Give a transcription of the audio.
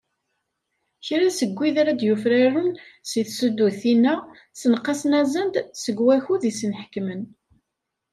Kra seg wid ara d-yufraren deg tsuddutin-a, ssenqasen-asen-d seg wakud i asen-ḥekmen.